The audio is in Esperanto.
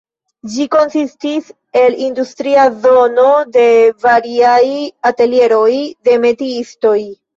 Ĝi konsistis el industria zono de variaj atelieroj de metiistoj.